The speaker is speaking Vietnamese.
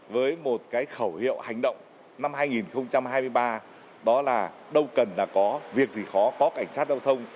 với một cái khẩu hiệu hành động năm hai nghìn hai mươi ba đó là đâu cần là có việc gì khó có cảnh sát giao thông